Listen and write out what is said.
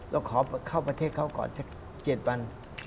เราขอเข้าประเทศเขาก่อนสัก๗วัน